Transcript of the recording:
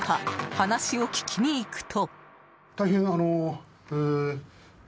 話を聞きに行くと。